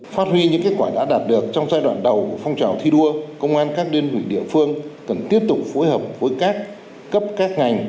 phát huy những kết quả đã đạt được trong giai đoạn đầu phong trào thi đua công an các đơn vị địa phương cần tiếp tục phối hợp với các cấp các ngành